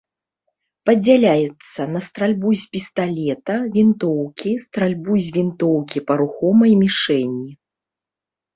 Падзяляецца на стральбу з пісталета, вінтоўкі, стральбу з вінтоўкі па рухомай мішэні.